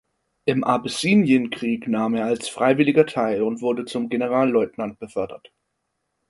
Im Abessinienkrieg nahm er als Freiwilliger teil und wurde zum Generalleutnant befördert.